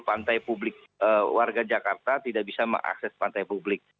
pantai publik warga jakarta tidak bisa mengakses pantai publik